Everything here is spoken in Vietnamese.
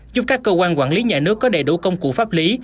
giúp các cơ quan quản lý nhà nước có đầy đủ công cụ pháp lý